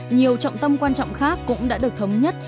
nhiều trọng tâm quan trọng khác cũng đã được thống nhất